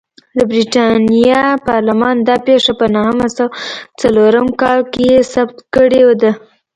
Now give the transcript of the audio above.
د برېټانیا پارلمان دا پېښه په نهه سوه څلورم کال کې ثبت کړې ده.